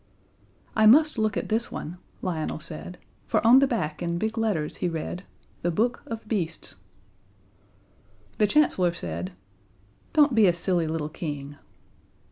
"I must look at this one," Lionel said, for on the back in big letters he read: The Book of Beasts. The Chancellor said, "Don't be a silly little King."